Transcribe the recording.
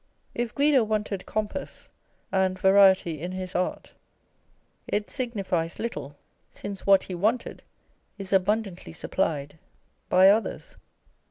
If Guido wanted compass and variety in his art, it signifies little, since what he wanted is abundantly supplied by 400 On a Portrait l>y Vandyke. others.